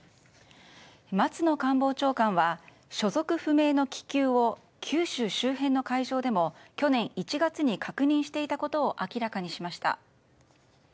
松野官房長官は所属不明の気球を九州周辺の海上でも去年１月に確認していたことを明らかにしました。